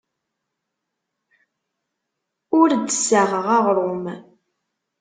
Ur d-ssaɣeɣ aɣrum.